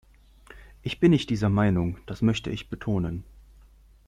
Ich bin nicht dieser Meinung, das möchte ich betonen.